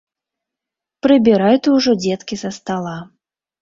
Прыбірай ты ўжо, дзеткі, са стала.